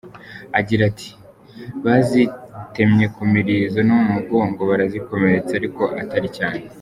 Agira ati “Bazitemye ku murizo no mu mugongo, barazikomeretsa ariko atari cyane.